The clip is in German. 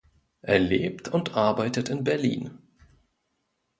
Er lebt und arbeitet in Berlin.